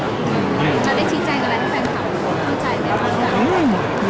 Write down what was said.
จะได้ชี้แจงอะไรที่แฟนคำเข้าใจไหมครับ